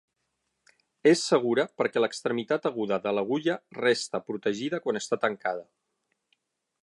És segura perquè l'extremitat aguda de l'agulla resta protegida quan està tancada.